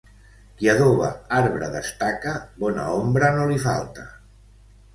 Qui adoba arbre d'estaca, bona ombra no li falta.